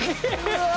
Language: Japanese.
うわ！